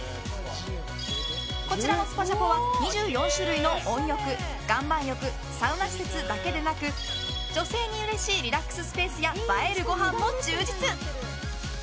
こちらのスパジャポは２４種類の温浴、岩盤浴サウナ施設だけでなく女性にもうれしいリラックススペースや映えるごはんも超充実！